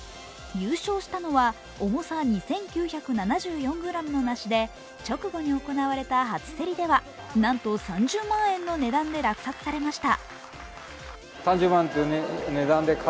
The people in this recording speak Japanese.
優勝したのは重さ２９７４ｇの梨で直後に行われた初競りでは、なんと３０万円の値段で落札されました。